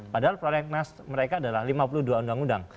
padahal prolegnas mereka adalah lima puluh dua undang undang